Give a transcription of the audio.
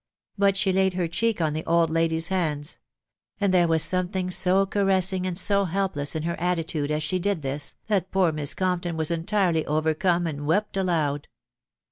But she laid her cheek on the old lady's hands ; and there was something so caressing and so helpless in her attitude as she did this, that poor Miss Compton was entirely overcome, and wept aloud.